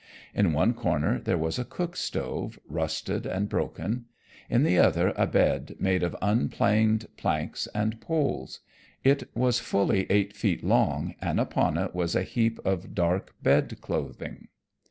In one corner there was a cook stove, rusted and broken. In the other a bed made of unplaned planks and poles. It was fully eight feet long, and upon it was a heap of dark bed clothing.